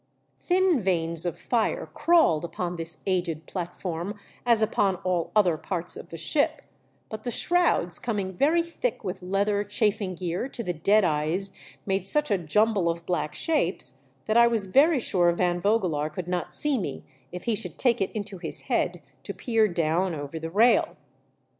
Thin veins of fire crawled upon this aged platform as upon all other parts of the ship, but the shrouds coming very thick with leather chafing gear to the dead eyes made such a jumble of black shapes, that I was very sure Van Vogelaar could not see me if he should take it into his head to peer down over the rail.